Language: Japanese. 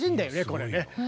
これね。